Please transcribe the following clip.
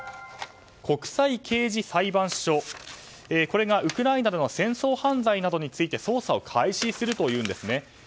国際刑事裁判所これが、ウクライナでの戦争犯罪などについて捜査を開始するというんです。